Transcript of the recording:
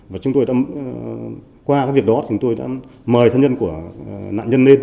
và chúng tôi qua việc đó chúng tôi đã mời thân nhân của nạn nhân lên